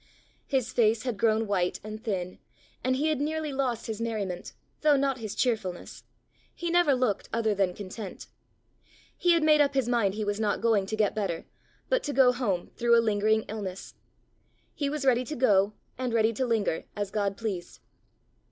His face had grown white and thin, and he had nearly lost his merriment, though not his cheerfulness; he never looked other than content. He had made up his mind he was not going to get better, but to go home through a lingering illness. He was ready to go and ready to linger, as God pleased.